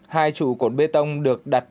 hai trụ cột bê tông được đặt